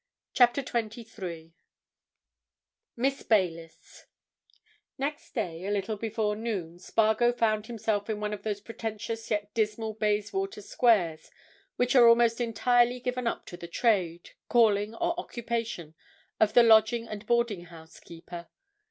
CHAPTER TWENTY THREE MISS BAYLIS Next day, a little before noon, Spargo found himself in one of those pretentious yet dismal Bayswater squares, which are almost entirely given up to the trade, calling, or occupation of the lodging and boarding house keeper.